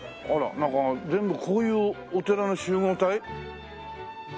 なんか全部こういうお寺の集合体？